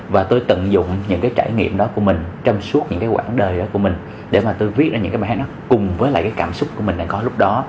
và tôi tận dụng những cái trải nghiệm đó của mình trong suốt những cái quãng đời của mình để mà tôi viết ra những cái bài đó cùng với lại cái cảm xúc của mình đã có lúc đó